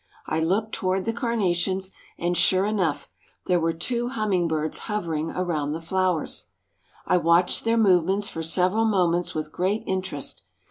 I looked toward the carnations, and, sure enough, there were too hummingbirds hovering around the flowers. I watched their movements for several moments with great interest.